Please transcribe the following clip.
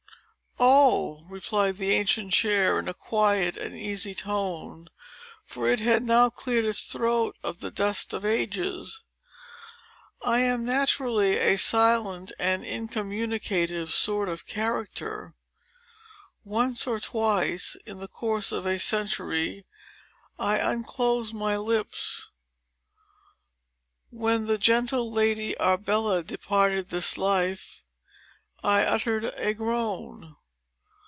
"Oh!" replied the ancient chair, in a quiet and easy tone, for it had now cleared its throat of the dust of ages. "I am naturally a silent and incommunicative sort of character. Once or twice, in the course of a century, I unclose my lips. When the gentle Lady Arbella departed this life, I uttered a groan.